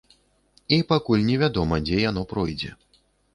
І пакуль не вядома, дзе яно пройдзе.